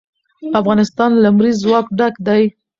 افغانستان له لمریز ځواک ډک دی.